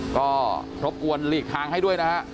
ก็ทบกวนลีกทางให้ด้วยนะครับ